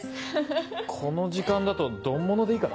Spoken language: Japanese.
この時間だと丼ものでいいかな。